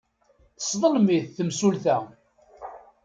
Tesseḍlem-it temsulta.